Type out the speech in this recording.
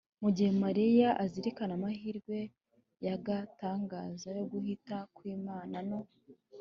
mu gihe mariya azirikana amahirwe y’agatangaza y’uguhita kw’imana no